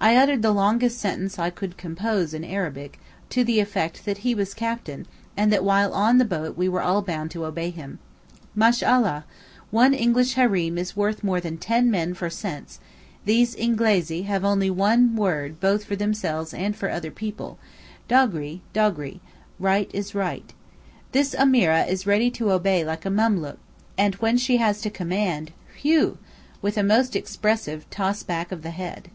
I uttered the longest sentence I could compose in Arabic, to the effect that he was captain, and that while on the boat we were all bound to obey him. 'Mashallah! one English Hareem is worth more than ten men for sense; these Ingeleez have only one word both for themselves and for other people: doghree—doghree (right is right); this Ameereh is ready to obey like a memlook, and when she has to command—whew!'—with a most expressive toss back of the head.